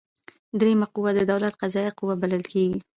دریمه قوه د دولت قضاییه قوه بلل کیږي.